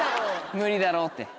無理だろって。